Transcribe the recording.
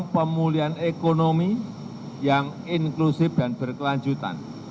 pemulihan ekonomi yang inklusif dan berkelanjutan